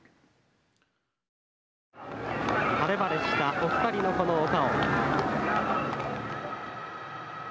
「晴れ晴れしたお二人のこのお顔」。